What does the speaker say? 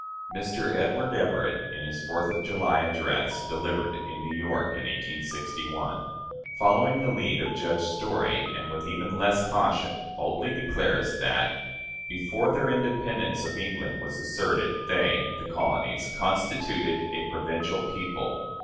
Mr. Edward Everett, in his Fourth of July address, delivered in New York in 1861, following the lead of Judge Story, and with even less caution, boldly declares that, "before their independence of England was asserted, they [the colonies] constituted a provincial people."